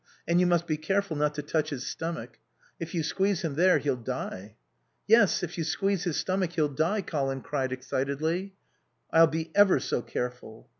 And you must be careful not to touch his stomach. If you squeeze him there he'll die." "Yes. If you squeeze his stomach he'll die," Colin cried excitedly. "I'll be ever so careful."